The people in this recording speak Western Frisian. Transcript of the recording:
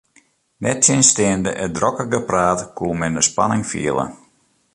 Nettsjinsteande it drokke gepraat koe men de spanning fiele.